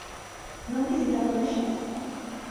¿No han visitado ellas?